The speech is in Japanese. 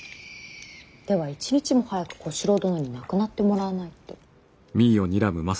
では一日も早く小四郎殿に亡くなってもらわないと。